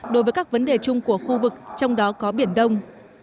đối với các vấn đề chung của khu vực trong đó có biển đông